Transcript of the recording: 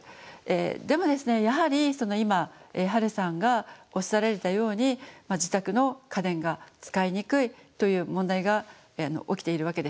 でもですねやはりその今はれさんがおっしゃられたように自宅の家電が使いにくいという問題が起きているわけですよね。